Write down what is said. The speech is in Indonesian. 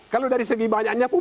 kalau dari segi banyaknya pun